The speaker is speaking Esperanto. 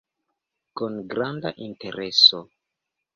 Kun granda intereso.